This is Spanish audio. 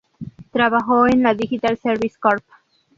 Trabajó en la Digital Service Corp.